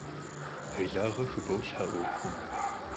Хьилагъэ хыболъхьэ Ӏуэхум!